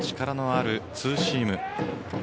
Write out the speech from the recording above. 力のあるツーシーム。